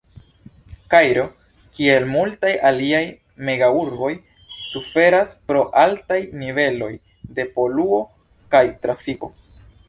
Kairo, kiel multaj aliaj mega-urboj, suferas pro altaj niveloj de poluo kaj trafiko.